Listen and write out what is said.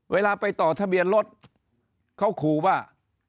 เวลาไปต่อทะเบียนรถเขาขู่ว่า